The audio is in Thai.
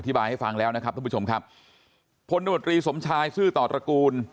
บายให้ฟังแล้วนะครับทุกผู้ชมครับพลโนตรีสมชายซื่อต่อตระกูล